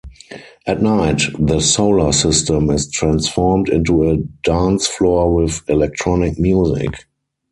At night, the solar system is transformed into a dance floor with electronic music.